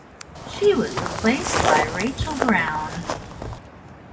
She was replaced by Rachel Brown.